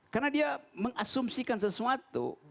karena dia mengasumsikan sesuatu